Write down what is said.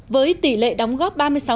với tỷ lệ đóng góp ba mươi sáu